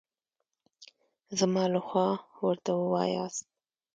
زما له خوا ورته ووایاست.